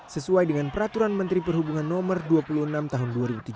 sesuai dengan peraturan menteri perhubungan no dua puluh enam tahun dua ribu tujuh belas